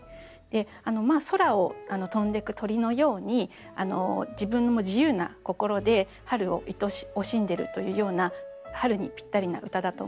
空を飛んでく鳥のように自分も自由な心で春を愛おしんでるというような春にぴったりな歌だと思いました。